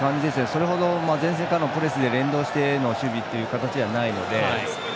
それほど前線からのプレスで連動してという守備という形ではないので。